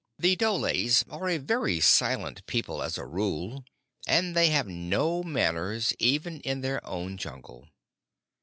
The dholes are a silent people as a rule, and they have no manners even in their own Jungle.